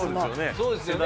そうですよね。